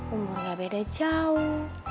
umur gak beda jauh